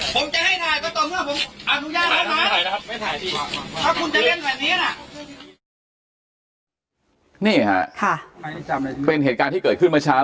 ไม่ถ่ายดีเนี้ยค่ะค่ะเป็นเหตุการณ์ที่เกิดขึ้นเมื่อเช้า